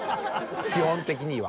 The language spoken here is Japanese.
基本的には。